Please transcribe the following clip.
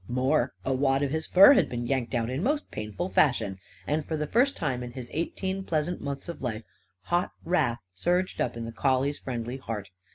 More, a wad of his fur had been yanked out in most painful fashion. And, for the first time in his eighteen pleasant months of life, hot wrath surged up in the collie's friendly heart.